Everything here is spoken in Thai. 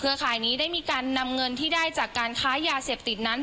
ขายนี้ได้มีการนำเงินที่ได้จากการค้ายาเสพติดนั้น